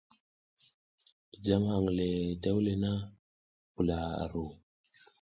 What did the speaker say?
Ki jam hang le tewle na, pula a ru.